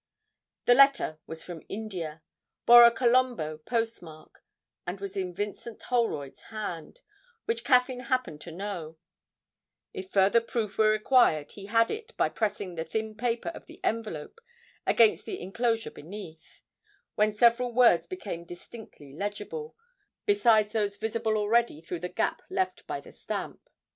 The letter was from India, bore a Colombo postmark, and was in Vincent Holroyd's hand, which Caffyn happened to know; if further proof were required he had it by pressing the thin paper of the envelope against the inclosure beneath, when several words became distinctly legible, besides those visible already through the gap left by the stamp.